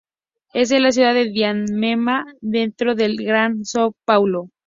Es de la ciudad de Diadema, dentro del Gran São Paulo.